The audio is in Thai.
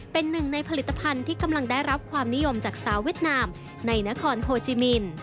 เป็นหนึ่งในผลิตภัณฑ์ที่กำลังได้รับความนิยมจากสาวเวียดนามในนครโฮจิมิน